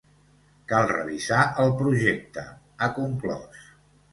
Cal revisar el projecte, ha conclòs.